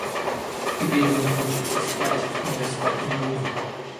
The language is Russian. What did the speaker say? Теперь мне хочется спать, но я спать не буду.